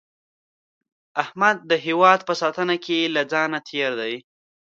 احمد د هیواد په ساتنه کې له ځانه تېر دی.